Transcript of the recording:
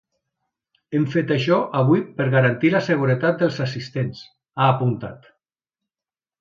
Hem fet això avui per garantir la seguretat dels assistents, ha apuntat.